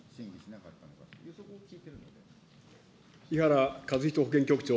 伊原和人保険局長。